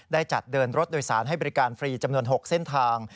ได้จัดเดินรถโดยสารให้บริการฟรีจำนวน๖เส้นทาง